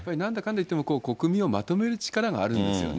いっても、国民をまとめる力があるんですよね。